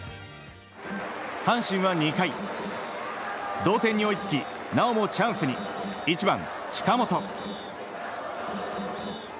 阪神は２回、同点に追いつきなおもチャンスに１番、近本。